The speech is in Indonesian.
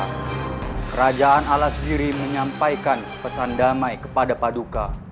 kerajaan ala sendiri menyampaikan pesan damai kepada paduka